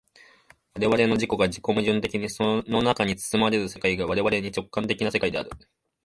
我々の自己が自己矛盾的にその中に包まれる世界が我々に直観的な世界である。